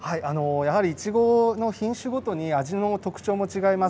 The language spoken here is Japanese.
やはり、いちごの品種ごとに味の特徴も違います。